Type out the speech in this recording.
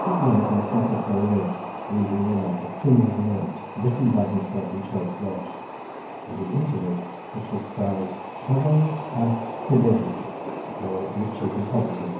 That night I sat up very late reading the life of Twm O'r Nant, written by himself in choice Welsh, and his interlude, which was styled "Cyfoeth a Thylody; or, Riches and Poverty."